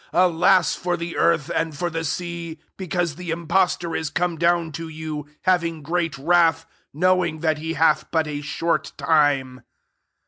Alas for the earthy and for tfae sea ! because the impostor is come down to you, having great wrath, knowing that be hath but a short time."